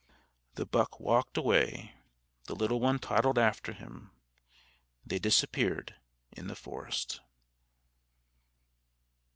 The buck walked away: the little one toddled after him. They disappeared in the forest.